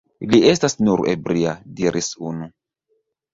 Li estas nur ebria, diris unu.